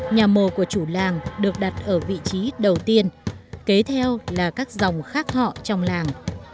nhà mồ của chủ làng được đặt ở vị trí đầu tiên kế theo là các dòng khác họ trong làng